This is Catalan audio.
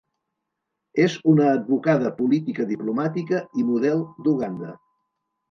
És una advocada, política, diplomàtica i model d'Uganda.